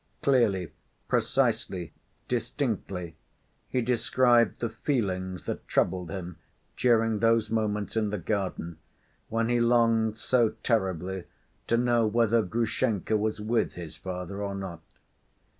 Clearly, precisely, distinctly, he described the feelings that troubled him during those moments in the garden when he longed so terribly to know whether Grushenka was with his father or not.